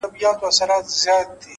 هره تجربه د انسان شکل بیا جوړوي’